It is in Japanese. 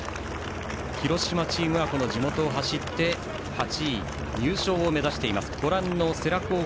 広島チームは地元を走って８位、入賞を目指しています。